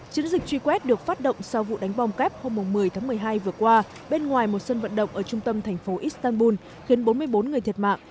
chiến dịch truy quét được phát động sau vụ đánh bom kép hôm một mươi tháng một mươi hai vừa qua bên ngoài một sân vận động ở trung tâm thành phố istanbul khiến bốn mươi bốn người thiệt mạng